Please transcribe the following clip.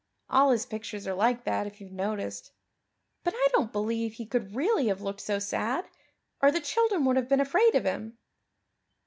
All His pictures are like that, if you've noticed. But I don't believe He could really have looked so sad or the children would have been afraid of Him."